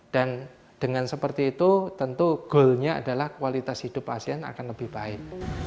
dan dengan seperti itu tentu goalnya adalah kualitas hidup pasien akan lebih baik